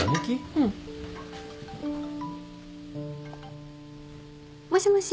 うん。もしもし。